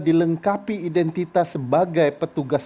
dilengkapi identitas sebagai petugas